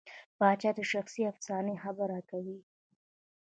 پاچا د شخصي افسانې خبره کوي.